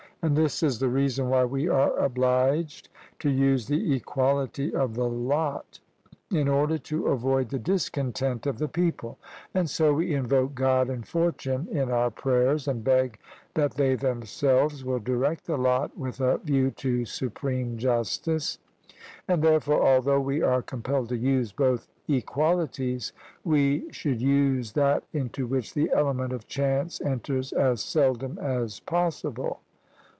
And this is the reason why we are obliged to use the equality of the lot, in order to avoid the discontent of the people; and so we invoke God and fortune in our prayers, and beg that they themselves will direct the lot with a view to supreme justice. And therefore, although we are compelled to use both equalities, we should use that into which the element of chance enters as seldom as possible.